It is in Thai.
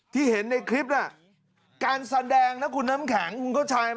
ที่เห็นในคลิปน่ะการแสดงนะคุณน้ำแข็งคุณเข้าใจไหม